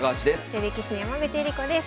女流棋士の山口恵梨子です。